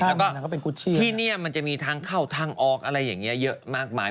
แล้วก็ที่นี่มันจะมีทางเข้าทางออกอะไรอย่างนี้เยอะมากมาย